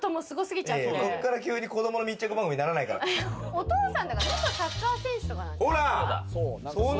お父さん、元サッカー選手とかなんじゃない？